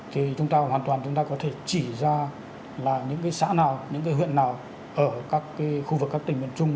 thì chúng ta hoàn toàn chúng ta có thể chỉ ra là những cái xã nào những cái huyện nào ở các khu vực các tỉnh miền trung